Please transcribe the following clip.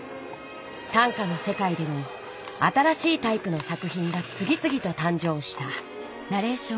短歌の世界でも新しいタイプの作品がつぎつぎとたんじょうした。